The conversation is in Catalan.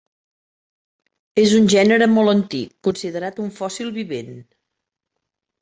És un gènere molt antic, considerat un fòssil vivent.